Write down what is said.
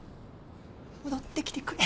戻ってきてくれ。